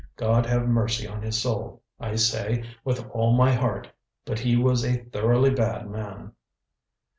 God have mercy on his soul! I say, with all my heart. But he was a thoroughly bad man."